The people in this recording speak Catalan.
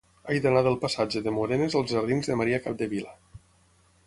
He d'anar del passatge de Morenes als jardins de Maria Capdevila.